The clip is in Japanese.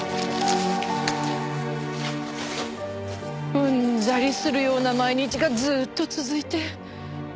うんざりするような毎日がずっと続いて。